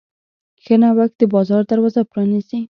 ښه نوښت د بازار دروازه پرانیزي.